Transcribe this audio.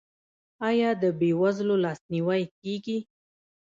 آیا د بې وزلو لاسنیوی کیږي؟